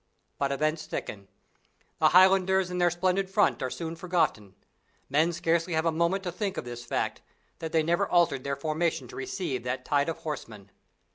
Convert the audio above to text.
But events thicken. The Highlanders and their splendid front are soon forgotten; men scarcely have a moment to think of this fact, that they never altered their formation to receive that tide of horsemen.